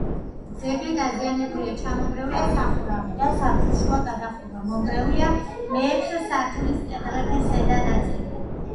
ძეგლი დაზიანებულია: ჩამონგრეულია სახურავი და სართულშუა გადახურვა, მონგრეულია მეექვსე სართულის კედლების ზედა ნაწილი.